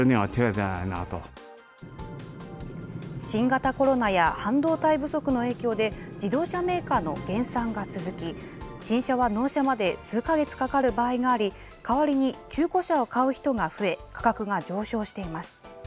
新型コロナや半導体不足の影響で、自動車メーカーの減産が続き、新車は納車まで数か月かかる場合があり、代わりに中古車を買う人が増え、価格が上昇しています。